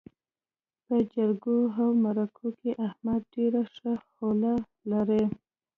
په جرګو او مرکو کې احمد ډېره ښه خوله لري.